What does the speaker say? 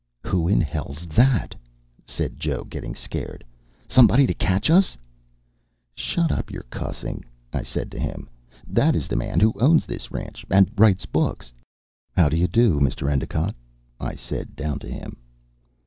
"Who in hell's that?" said Joe, getting scared. "Somebody to catch us?" "Shut up your cussing," I said to him. "That is the man who owns this ranch and writes books." "How do you do, Mr. Endicott," I said down to him.